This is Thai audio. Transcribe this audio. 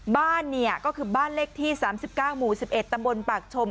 บ้านเนี่ยก็คือบ้านเลขที่๓๙หมู่๑๑ตำบลปากชม